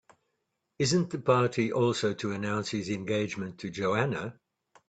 Isn't the party also to announce his engagement to Joanna?